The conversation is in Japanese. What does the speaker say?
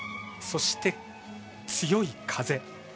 そして、強い風。